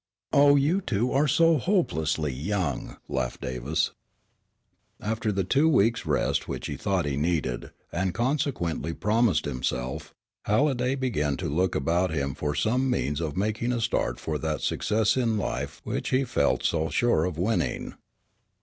"Oh, you two are so hopelessly young," laughed Davis. PART II After the two weeks' rest which he thought he needed, and consequently promised himself, Halliday began to look about him for some means of making a start for that success in life which he felt so sure of winning.